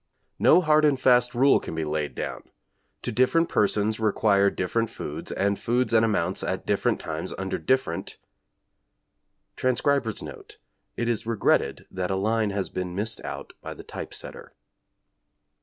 No hard and fast rule can be laid down to different persons require different foods and foods and amounts at different times under different ++ |[Transcriber's note: It is regretted that a line has been missed by the| |typesetter.